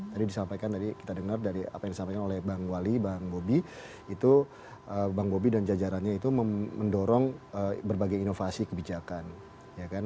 tadi disampaikan tadi kita dengar dari apa yang disampaikan oleh bang wali bang bobi itu bang bobi dan jajarannya itu mendorong berbagai inovasi kebijakan ya kan